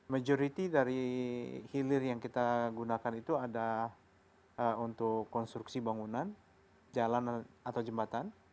majority dari hilir yang kita gunakan itu ada untuk konstruksi bangunan jalan atau jembatan